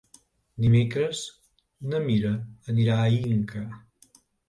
Dimecres na Mira anirà a Inca.